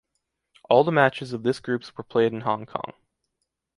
All the matches of this groups were played in Hong Kong.